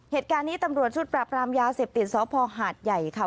เหตุการณ์นี้ตำรวจชุดปราบรามยาเสพติดสพหาดใหญ่ค่ะ